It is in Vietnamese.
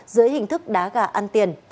dưới hình thức đá gà ăn tiền